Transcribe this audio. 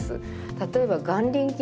例えば眼輪筋。